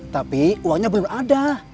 tapi uangnya belum ada